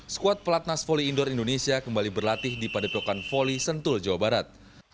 squad pelatnas volley indoor indonesia kembali berlatih di padepokan volley sentul jawa barat